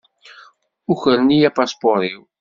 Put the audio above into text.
Ukren-iyi apaspuṛ-iw.